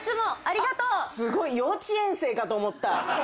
すごい幼稚園生かと思った。